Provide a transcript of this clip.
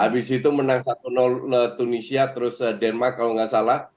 habis itu menang satu tunisia terus denmark kalau nggak salah